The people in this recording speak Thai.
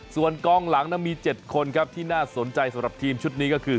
ส่วนกองหลังมี๗คนครับที่น่าสนใจสำหรับทีมชุดนี้ก็คือ